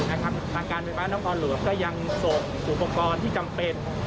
ทางการไปรฟาที่น้องคลอดหลือก็ยังส่งอุปกรณ์ที่จำเป็น